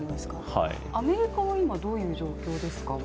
アメリカは今、どういう状況ですか？